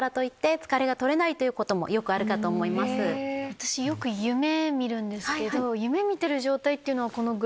私よく夢見るんですけど。